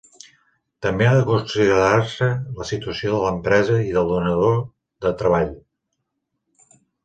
També ha de considerar-se la situació de l'empresa i del donador de treball.